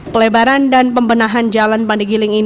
pelebaran dan pembenahan jalan pandigiling